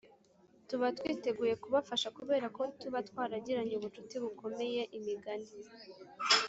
tuba twiteguye kubafasha kubera ko tuba twaragiranye ubucuti bukomeye Imigani